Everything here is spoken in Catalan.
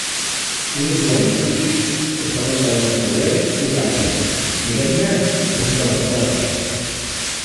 Un usuari X es connecta al nostre web i es baixa, diguem-ne, cinquanta-quatre.